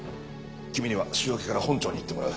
君には週明けから本庁に行ってもらう。